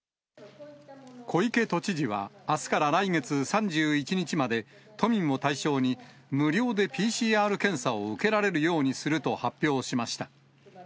小池都知事は、あすから来月３１日まで、都民を対象に、無料でＰＣＲ検査を受けられるようにすると発表しました。